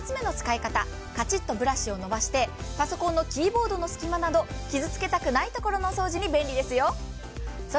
そして２つ目の使い方、カチッとブラシを伸ばしてパソコンのキーボードの隙間など傷つけたくない場所に便利ですよ。